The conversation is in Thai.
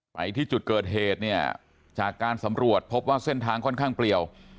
ไปที่จุดเกิดเหตุเนี่ยจากการสำรวจพบว่าเส้นทางค่อนข้างเปลี่ยว